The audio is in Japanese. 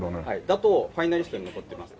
だとファイナリストに残ってます。